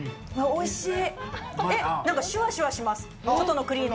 おいしい！